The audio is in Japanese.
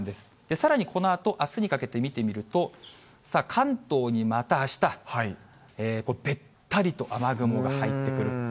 さらに、このあと、あすにかけて見てみると、関東にまたあした、べったりと雨雲が入ってくる。